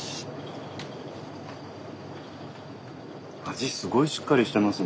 味すごいしっかりしてますね。